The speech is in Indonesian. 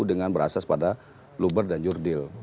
dengan berasas pada luber dan jurdil